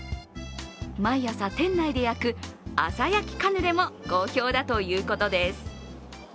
毎朝、店内で焼く朝焼きカヌレも好評だということです。